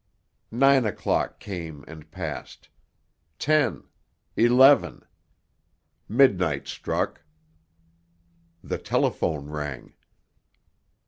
Nine o'clock came and passed—ten—eleven. Midnight struck! The telephone rang!